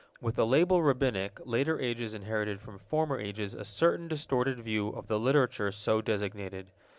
With the label Rabbinic later ages inherited from former ages a certain distorted view of the literature so designated.